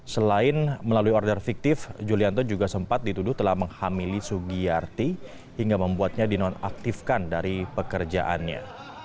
selain melalui order fiktif julianto juga sempat dituduh telah menghamili sugiyarti hingga membuatnya dinonaktifkan dari pekerjaannya